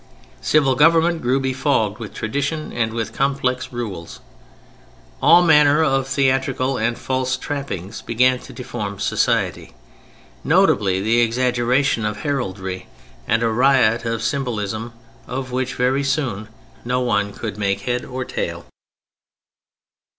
Civil government grew befogged with tradition and with complex rules. All manner of theatrical and false trappings began to deform society, notably the exaggeration of heraldry and a riot of symbolism of which very soon no one could make head or tail.